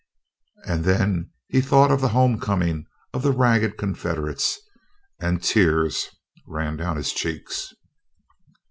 And then he thought of the home coming of the ragged Confederates, and the tears ran down his cheeks.